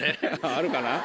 あるかな？